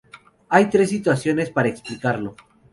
Hay tres situaciones para explicarlo.